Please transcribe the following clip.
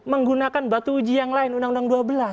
menggunakan batu uji yang lain undang undang dua belas